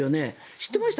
知ってました？